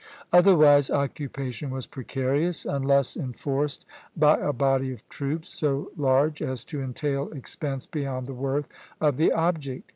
Otherwise occupation was precarious, unless enforced by a body of troops so large as to entail expense beyond the worth of the object.